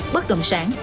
bất đồng sản